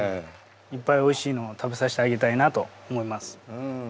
いっぱいおいしいのを食べさせてあげたいなと思います。